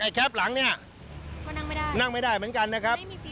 แล้วแคปหลังก็นั่งไม่ได้เหมือนกันนะครับ